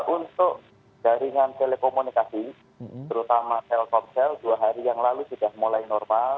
untuk jaringan telekomunikasi terutama telkomsel dua hari yang lalu sudah mulai normal